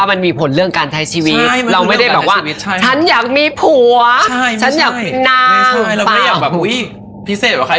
ไม่ใช่เราไม่ได้อยากพิเศษกว่าใคร